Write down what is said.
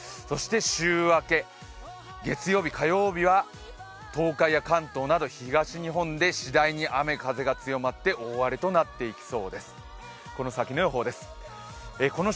週明け、月曜日、火曜日は東海や関東など東日本でしだいに雨風が強まって大荒れの予想となっています。